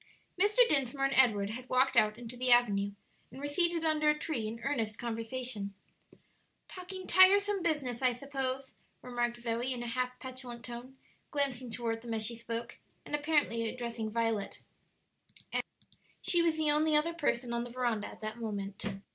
Mr. Dinsmore and Edward had walked out into the avenue, and were seated under a tree in earnest conversation. "Talking tiresome business, I suppose," remarked Zoe, in a half petulant tone, glancing toward them as she spoke, and apparently addressing Violet, as she was the only other person on the veranda at the moment.